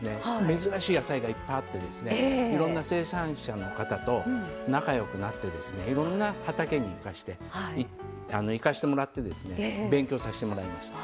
珍しい野菜がいっぱいあっていろんな生産者の方と仲よくなっていろんな畑に行かせてもらって勉強させてもらいました。